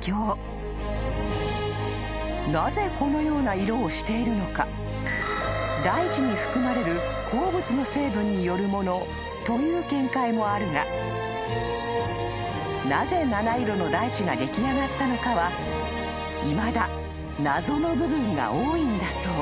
［なぜこのような色をしているのか大地に含まれる鉱物の成分によるものという見解もあるがなぜ七色の大地が出来上がったのかはいまだ謎の部分が多いんだそう］